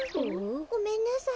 ごめんなさい。